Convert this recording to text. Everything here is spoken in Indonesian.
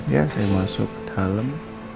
ya saya masuk dalam